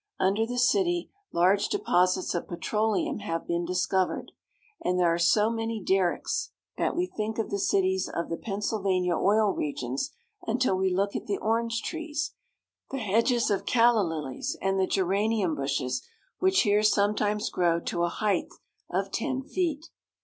Under the city large deposits of petroleum have been discovered, and there are so many derricks that we think of the cities of the Penn sylvania oil regions until we look at the orange trees, the hedges of calla lilies, and the geranium bushes, which here sometimes grow to a height of ten feet.